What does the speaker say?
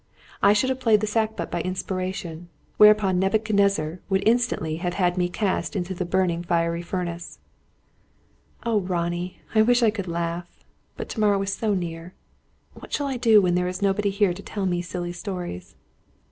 I should have played the sackbut by inspiration; whereupon Nebuchadnezzar would instantly have had me cast into the burning fiery furnace." "Oh, Ronnie, I wish I could laugh! But to morrow is so near. What shall I do when there is nobody here to tell me silly stories?"